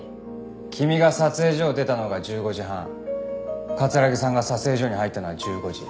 君が撮影所を出たのが１５時半城さんが撮影所に入ったのは１５時。